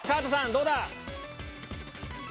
どうだ？